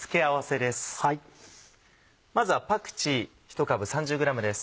まずはパクチー１株３０ｇです。